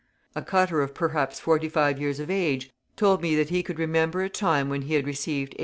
A cutter of perhaps forty five years of age told me that he could remember a time when he had received 8d.